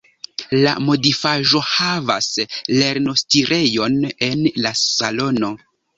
La modifaĵohavas lernostirejon en la salono.